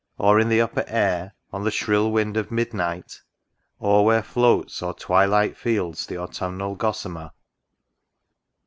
— Or in the upper air, On the shrill wind of midnight ? or where floats O'er twilight fields the autumnal gossamer